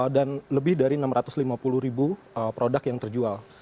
dan lebih dari enam ratus lima puluh ribu produk yang terjual